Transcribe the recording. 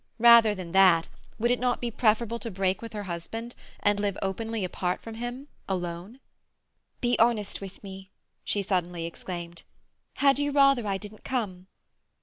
Rather than that, would it not be preferable to break with her husband, and openly live apart from him, alone? "Be honest with me," she suddenly exclaimed. "Had you rather I didn't come?"